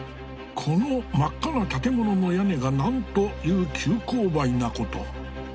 この真っ赤な建物の屋根がなんという急勾配なこと。